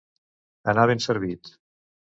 Anar ben servit.